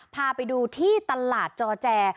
พาไปดูที่ตลาดจอแจ